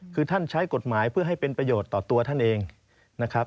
คือท่านใช้กฎหมายเพื่อให้เป็นประโยชน์ต่อตัวท่านเองนะครับ